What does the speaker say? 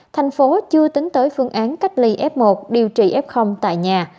thành phố chưa tính tới phương án cách ly f một điều trị f tại nhà